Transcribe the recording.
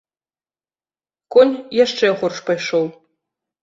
Конь яшчэ горш пайшоў.